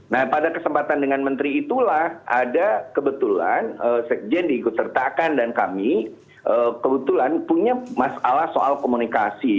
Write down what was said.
nah pada kesempatan dengan menteri itulah ada kebetulan sekjen diikut sertakan dan kami kebetulan punya masalah soal komunikasi